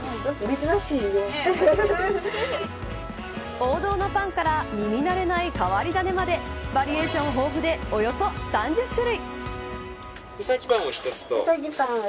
王道のパンから耳慣れない変わり種までバリエーション豊富でおよそ３０種類。